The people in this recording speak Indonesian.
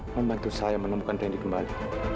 membantu saya menemukan tni kembali